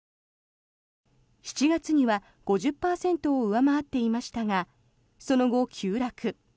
７月には５０％を上回っていましたがその後、急落。